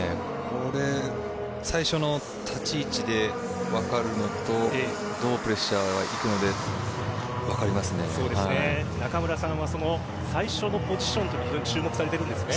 最初の立ち位置で分かるのとどうプレッシャーを行くので中村さんは最初のポジションというのを非常に注目されているんですね。